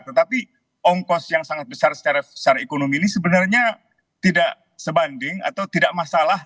tetapi ongkos yang sangat besar secara ekonomi ini sebenarnya tidak sebanding atau tidak masalah